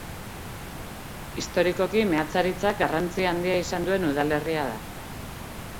Historikoki, meatzaritzak garrantzia handia izan duen udalerria da.